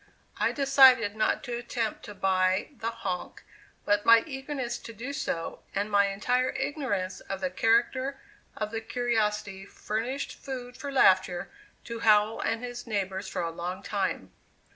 I decided not to attempt to buy the "honk," but my eagerness to do so and my entire ignorance of the character of the curiosity furnished food for laughter to Howell and his neighbors for a long time.